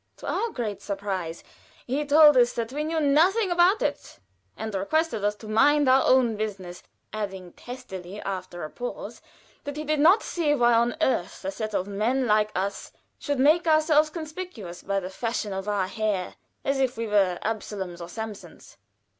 To our great surprise he told us that we knew nothing about it, and requested us to mind our own business, adding testily, after a pause, that he did not see why on earth a set of men like us should make ourselves conspicuous by the fashion of our hair, as if we were Absaloms or Samsons.